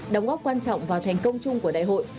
đóng góp quan trọng vào thành công chung của đại hội